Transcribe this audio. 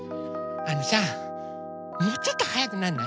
あのさもうちょっとはやくなんない？